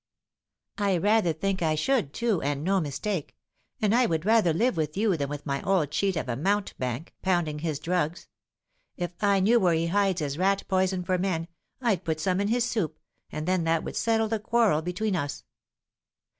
"I rather think I should, too, and no mistake; and I would rather live with you than with my old cheat of a mountebank, pounding his drugs. If I knew where he hides his 'rat poison for men,' I'd put some in his soup, and then that would settle the quarrel between us."